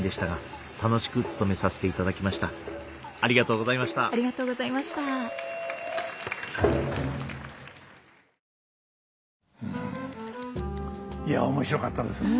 うんいや面白かったです。